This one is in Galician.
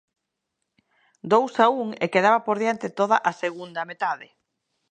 Dous a un e quedaba por diante toda a segunda metade.